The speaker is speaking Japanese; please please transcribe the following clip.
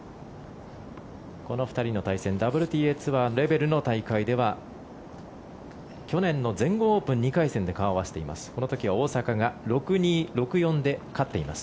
この２人の対戦ＷＴＡツアーレベルの大会では去年の全豪オープン２回戦で顔を合わせています。